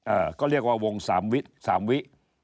เอ่อก็เรียกว่าวงสามวิ